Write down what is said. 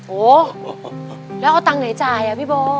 โหแล้วเอาตังค์ไหนจ่ายอ่ะพี่โบ